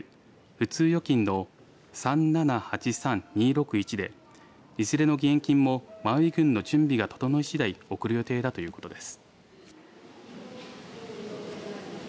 普通預金の３７８３２６１でいずれの義援金もマウイ郡の準備が整いしだい送る予定だということです。